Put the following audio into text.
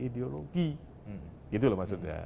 ideologi gitu loh maksudnya